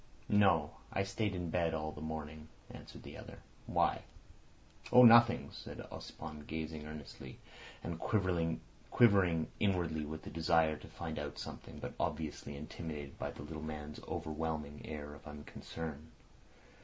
"No. I stayed in bed all the morning," answered the other. "Why?" "Oh! Nothing," said Ossipon, gazing earnestly and quivering inwardly with the desire to find out something, but obviously intimidated by the little man's overwhelming air of unconcern.